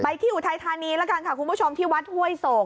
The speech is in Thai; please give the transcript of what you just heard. ที่อุทัยธานีแล้วกันค่ะคุณผู้ชมที่วัดห้วยโศก